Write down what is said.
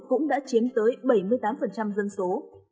cũng đã chiếm tới bảy mươi tám dân số